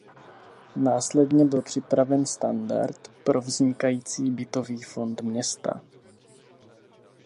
Následně byl připraven standard pro vznikající bytový fond města.